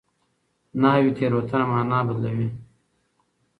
نحوي تېروتنه مانا بدلوي.